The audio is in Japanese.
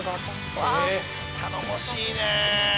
頼もしいねぇ。